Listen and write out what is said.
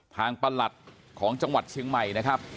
ประหลัดของจังหวัดเชียงใหม่นะครับ